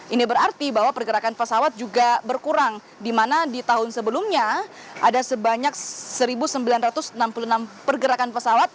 ini berarti bahwa pergerakan pesawat juga berkurang di mana di tahun sebelumnya ada sebanyak satu sembilan ratus enam puluh enam pergerakan pesawat